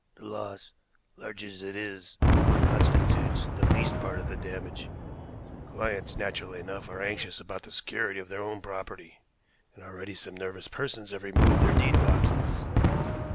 "The loss, large as it is, constitutes the least part of the damage. Clients, naturally enough, are anxious about the security of their own property, and already some nervous persons have removed their deed boxes."